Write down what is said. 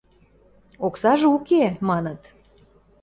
– Оксажы уке, – маныт.